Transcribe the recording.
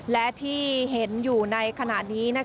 และที่เห็นอยู่ในขณะนี้